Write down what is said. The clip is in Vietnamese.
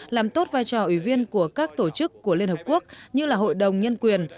làm tốt vai trò ủy viên của các tổ chức của liên hợp quốc như là hội đồng nhân quyền